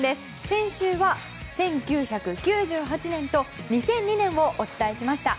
前回は１９９８年と２００２年をお伝えしました。